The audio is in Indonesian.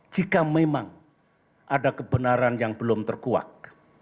jika memang ada kebenaran yang belum terkuak